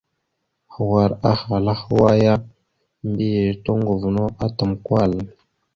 Hwar ahala hwa ya, mbiyez toŋgov no atam Kwal.